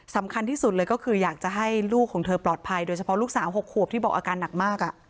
สำคัญที่สุดเลยก็คืออยากจะให้ลูกของเธอปลอดภัยโดยเฉพาะลูกสาว๖ขวบที่บอกอาการหนักมาก